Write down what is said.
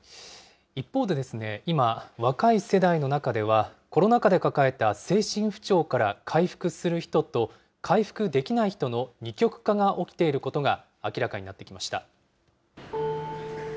一方で、今、若い世代の中では、コロナ禍で抱えた精神不調から回復する人と、回復できない人の二極化が起きていることが明らかになってきました。